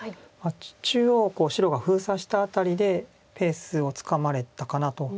中央白が封鎖したあたりでペースをつかまれたかなと。